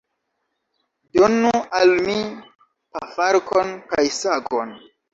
Donu al mi pafarkon kaj sagon.